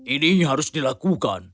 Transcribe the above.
ini harus dilakukan